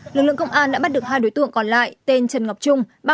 lực lượng công an đã bắt được hai đối tượng còn lại tên trần ngọc trung